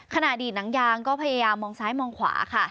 อดีตหนังยางก็พยายามมองซ้ายมองขวาค่ะ